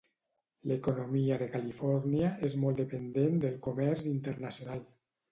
L'economia de Califòrnia és molt dependent del comerç internacional.